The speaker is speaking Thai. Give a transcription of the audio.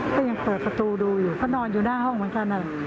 ก็ยังเปิดประตูดูอยู่ก็นอนอยู่หน้าห้องเหมือนกัน